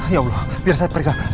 ya allah biar saya periksa